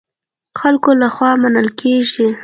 خلکو له خوا منل کېږي.